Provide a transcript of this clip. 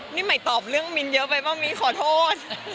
หนิใหม่ตอบเรื่องมินเยอะไปบ้างมี้ขอโทษ